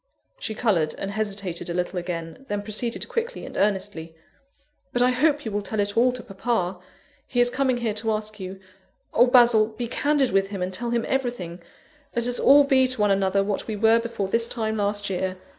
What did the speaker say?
(She coloured, and hesitated a little again, then proceeded quickly and earnestly:) "But I hope you will tell it all to papa: he is coming here to ask you oh, Basil! be candid with him, and tell him everything; let us all be to one another what we were before this time last year!